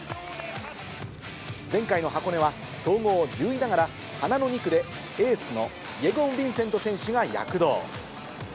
前回の箱根は、総合１０位ながら、花の２区で、エースのイェゴン・ヴィンセント選手が躍動。